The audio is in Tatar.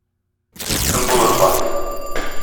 Кем булырга?